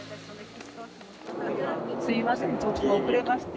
すいませんちょっと遅れまして。